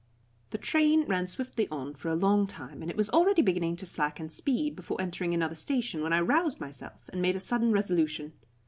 The train ran swiftly on for a long time, and it was already beginning to slacken speed before entering another station when I roused myself, and made a sudden resolution.